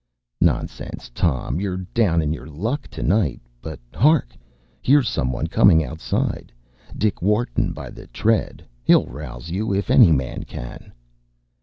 ” “Nonsense, Tom; you’re down in your luck to night. But hark! Here’s some one coming outside. Dick Wharton, by the tread; he’ll rouse you, if any man can.